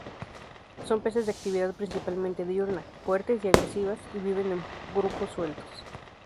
Son peces de actividad principalmente diurna, fuertes y agresivas, y viven en grupos sueltos.